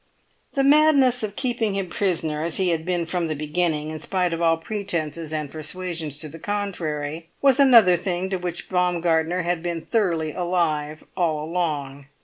"The madness of keeping him prisoner, as he had been from the beginning, in spite of all pretences and persuasions to the contrary, was another thing to which Baumgartner had been thoroughly alive all along.